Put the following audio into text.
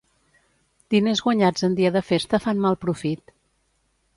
Diners guanyats en dia de festa fan mal profit.